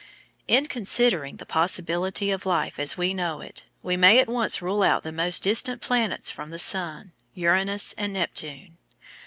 In considering the possibility of life as we know it we may at once rule out the most distant planets from the sun, Uranus and Neptune.